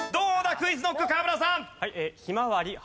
ＱｕｉｚＫｎｏｃｋ河村さん。